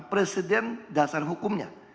presiden dasar hukumnya